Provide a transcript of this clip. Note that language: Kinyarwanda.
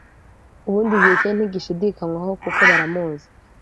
ubundi igihe cye ntigishidikanywaho kukobaramuzi